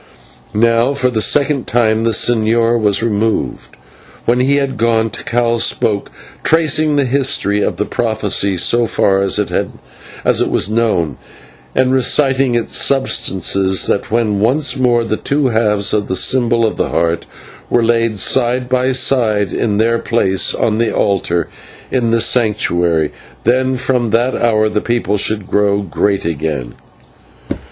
Now for the second time the señor was removed, and when he had gone Tikal spoke, tracing the history of the prophecy so far as it was known, and reciting its substance that when once more the two halves of the symbol of the Heart were laid side by side in their place on the altar in the Sanctuary, then from that hour the people should grow great again.